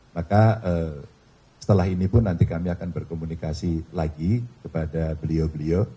maka setelah ini pun nanti kami akan berkomunikasi lagi kepada beliau beliau